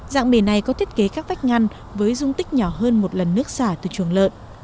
dạng bể này có thiết kế các vách ngăn với dung tích nhỏ hơn một lần nước xả từ chuồng lợn